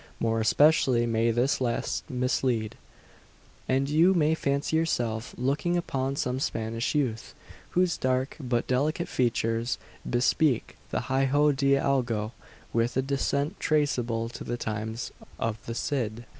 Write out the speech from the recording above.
More especially may this last mislead; and you may fancy yourself looking upon some Spanish youth, whose dark but delicate features bespeak the hijo de algo, with a descent traceable to the times of the Cid.